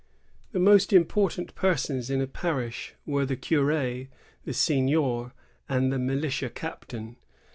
The most important persons in a parish were the cur^, the seignior, and the militia captain.